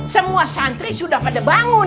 semua santri sudah pada bangun